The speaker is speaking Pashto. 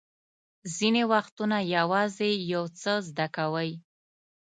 ځینې وختونه یوازې یو څه زده کوئ.